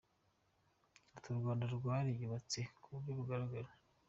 Ati “ U Rwanda rwariyubatse ku buryo bugaragara.